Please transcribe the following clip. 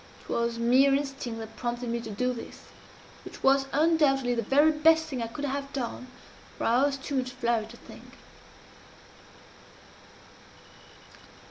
It was mere instinct that prompted me to do this which was undoubtedly the very best thing I could have done for I was too much flurried to think.